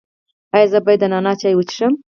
ایا زه باید د نعناع چای وڅښم؟